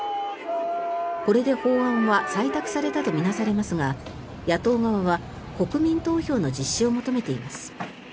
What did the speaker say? これで、法案は採択されたと見なされますが野党側は国民投票の実施を求めています。